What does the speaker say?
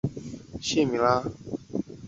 特征是乳白色的豚骨白汤。